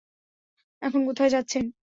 এখন কোথায় যাচ্ছেন?